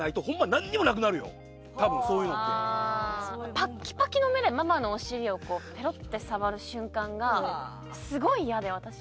パッキパキの目でママのお尻をこうペロッて触る瞬間がすごい嫌で私。